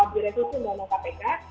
diresitusi undang undang kpk